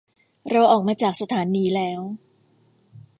เราออกมาจากสถานีแล้ว